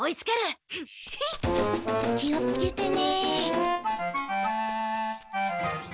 気をつけてね。